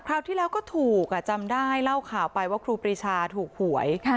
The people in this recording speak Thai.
ราวที่แล้วก็ถูกจำได้เล่าข่าวไปว่าครูปรีชาถูกหวย